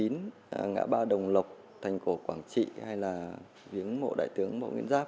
ngã ba đồng lộc thành cổ quảng trị hay là viếng mộ đại tướng mộ nguyễn giáp